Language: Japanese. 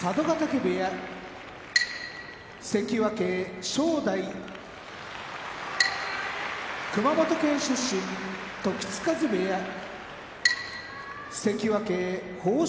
部屋関脇・正代熊本県出身時津風部屋関脇豊昇